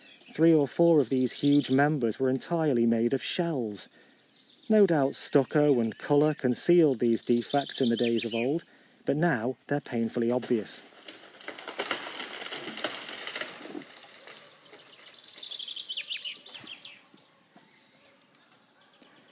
Three or four of these huge members were entirely made of shells ! No doubt stucco and colour concealed these defects in the days of old, but now they are painfully obvious.